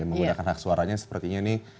menggunakan hak suaranya sepertinya nih